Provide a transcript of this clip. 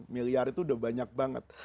tiga miliar itu udah banyak banget